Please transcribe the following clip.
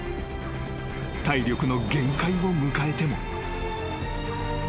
［体力の限界を迎えても］